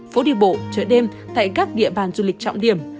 phố đi bộ chợ đêm tại các địa bàn du lịch trọng điểm